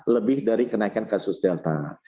lebih dari kenaikan kasus delta